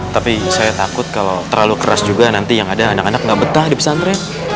tapi saya takut kalau terlalu keras juga nanti yang ada anak anak nggak betah di pesantren